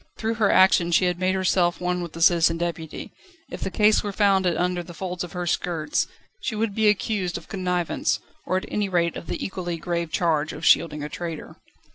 Through her action she had made herself one with the Citizen Deputy; if the case were found under the folds of her skirts, she would be accused of connivance, or at any rate of the equally grave charge of shielding a traitor.